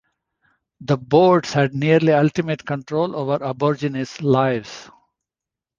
The Boards had nearly ultimate control over Aborigines' lives.